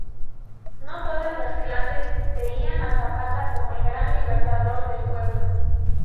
No todas las clases veían a Zapata como el gran libertador del pueblo.